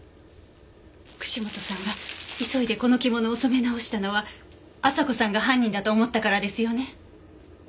串本さんが急いでこの着物を染め直したのは朝子さんが犯人だと思ったからですよね？